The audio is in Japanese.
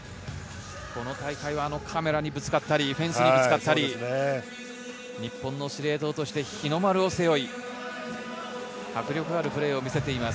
この大会はカメラにぶつかったりフェンスにぶつかったり、日本の司令塔として日の丸を背負い迫力あるプレーを見せています。